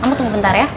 kamu tunggu bentar ya